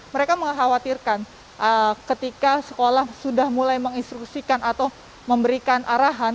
mereka mengkhawatirkan ketika sekolah sudah mulai menginstruksikan atau memberikan arahan